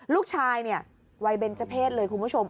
ลูกชายเนี่ยวัยเบนเจอร์เพศเลยคุณผู้ชม